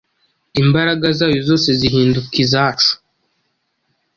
imbaraga zayo zose zihinduka izacu.